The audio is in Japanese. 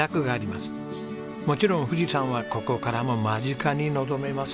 もちろん富士山はここからも間近に望めます。